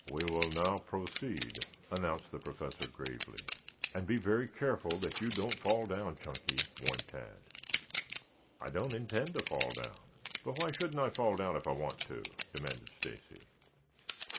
"We will now proceed," announced the Professor gravely. "And be very careful that you don't fall down, Chunky," warned Tad. "I don't intend to fall down. But why shouldn't I fall down if I want to?" demanded Stacy.